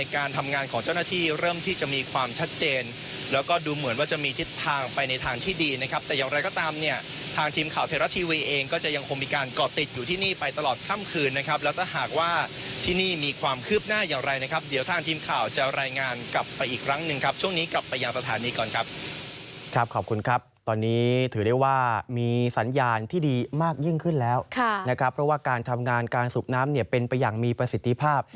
การทำเนี่ยทางทีมข่าวเทราทีวีเองก็จะยังคงมีการก่อติดอยู่ที่นี่ไปตลอดค่ำคืนนะครับแล้วถ้าหากว่าที่นี่มีความคืบหน้าอย่างไรนะครับเดี๋ยวทางทีมข่าวจะรายงานกลับไปอีกครั้งนึงครับช่วงนี้กลับไปยาวสถานีก่อนครับครับขอบคุณครับตอนนี้ถือได้ว่ามีสัญญาณที่ดีมากยิ่งขึ้นแล้วค่ะนะครับเพราะว่